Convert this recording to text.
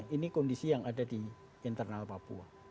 ini kondisi yang ada di internal papua